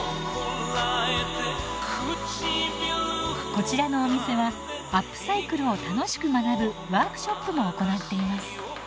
こちらのお店はアップサイクルを楽しく学ぶワークショップも行っています。